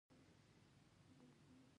پياله کږه شوه.